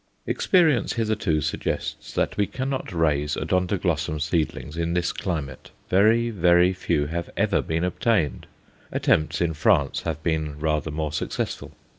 Experience hitherto suggests that we cannot raise Odontoglossum seedlings in this climate; very, very few have ever been obtained. Attempts in France have been rather more successful.